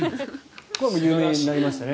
これは有名になりましたね